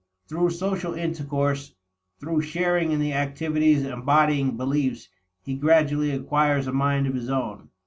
Through social intercourse, through sharing in the activities embodying beliefs, he gradually acquires a mind of his own.